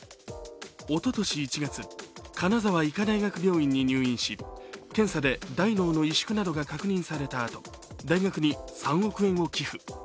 おととし１月、金沢医科大学病院に入院し検査で大脳の萎縮などが確認されたあと、大学に３億円を寄付。